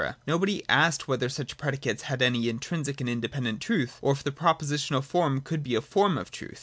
Nobody asked whether such predi cates had any intrinsic and independent truth, or if the prepositional form could be a form of truth.